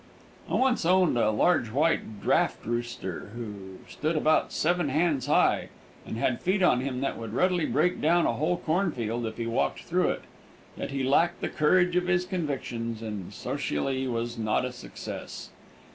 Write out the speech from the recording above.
I once owned a large white draught rooster, who stood about seven hands high, and had feet on him that would readily break down a whole corn field if he walked through it. Yet he lacked the courage of his convictions, and socially was not a success.